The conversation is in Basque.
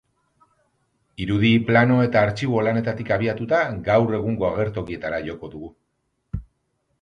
Irudi, plano eta artxibo lanetatik abiatuta, gaur egungo agertokietara joko du.